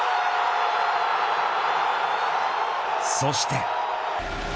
そして。